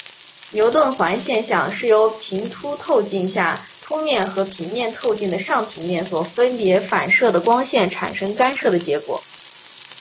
牛顿环现象是由平凸透镜下凸面和平面透镜的上平面所分别反射的光线产生干涉的结果。